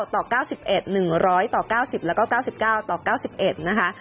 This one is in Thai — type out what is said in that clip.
ต่อ๙๑๑๐๐ต่อ๙๐แล้วก็๙๙ต่อ๙๑นะคะ